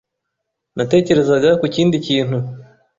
Natekerezaga ku kindi kintu.